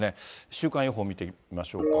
週間予報を見ていきましょうか。